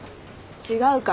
違うから。